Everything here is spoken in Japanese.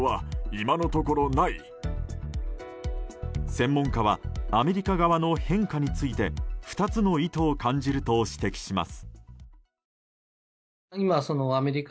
専門家はアメリカ側の変化について２つの意図を感じると指摘します。